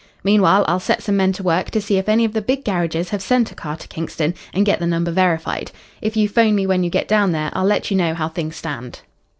Meanwhile, I'll set some men to work to see if any of the big garages have sent a car to Kingston, and get the number verified. If you 'phone me when you get down there, I'll let you know how things stand."